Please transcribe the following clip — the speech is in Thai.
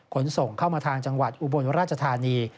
ขนส่งเข้ามาทางจังหวัดอุบลราชธานี